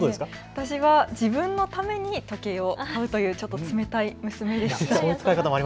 私は自分のために時計を買うという冷たい娘でした。